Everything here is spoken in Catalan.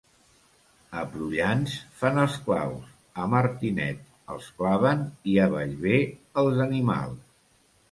A Prullans fan els claus, a Martinet els claven, i a Bellver, els animals.